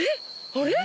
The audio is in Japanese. あれ？